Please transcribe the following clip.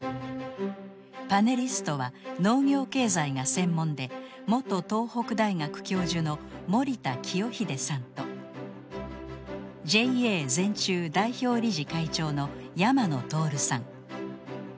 パネリストは農業経済が専門で元東北大学教授の盛田清秀さんとＪＡ全中代表理事会長の山野徹さん。